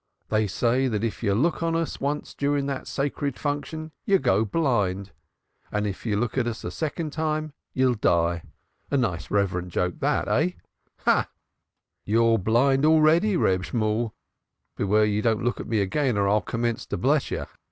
They say that if you look on us once during that sacred function, you'll get blind, and if you look on us a second time you'll die. A nice reverent joke that, eh! Ha! Ha! Ha! You're blind already, Reb Shemuel. Beware you don't look at me again or I'll commence to bless you.